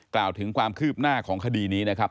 กล่าวถึงความคืบหน้าของคดีนี้นะครับ